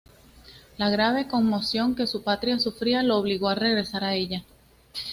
La grave conmoción que su patria sufría lo obligó a regresar a ella.